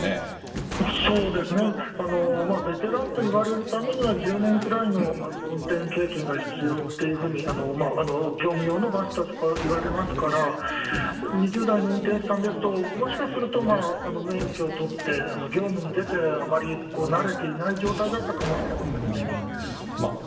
ベテランといわれるためには１０年ぐらいの運転経験が必要っていうふうに業務用のバスとか、言われますから、２０代の運転手さんですと、もしかすると、免許を取って、業務に出てあまり慣れていない状態だったかもしれませんね。